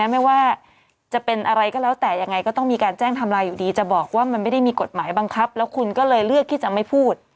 ไม่ว่าจะเป็นอะไรก็แล้วแต่ยังไงก็ต้องมีการแจ้งทำลายอยู่ดีจะบอกว่ามันไม่ได้มีกฎหมายบังคับแล้วคุณก็เลยเลือกที่จะไม่พูด